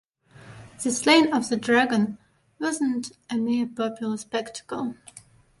The slaying of the dragon was not a mere popular spectacle.